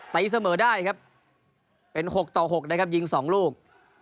ตีเสมอได้ครับเป็น๖ต่อ๖นะครับยิง๒ลูก